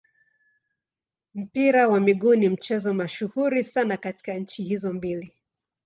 Mpira wa miguu ni mchezo mashuhuri sana katika nchi hizo mbili.